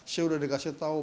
saya sudah dikasih tahu